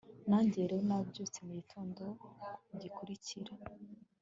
Nanjye rero nabyutse mugitondo gikurikira